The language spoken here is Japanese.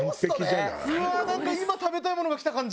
なんか今食べたいものがきた感じ。